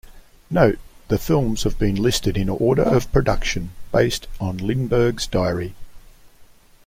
Note: The films have been listed in order of production, based on Lindberg's diary.